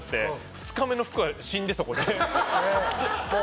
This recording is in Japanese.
２日目の服が死んで、そこで。